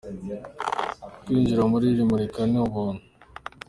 Kwinjira muri iri murika ni ubuntu.